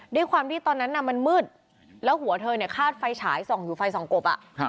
ด้วยความที่ตอนนั้นน่ะมันมืดแล้วหัวเธอเนี่ยคาดไฟฉายส่องอยู่ไฟส่องกบ